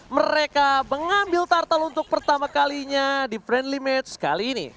mereka mengambil tartel untuk pertama kalinya di friendly match kali ini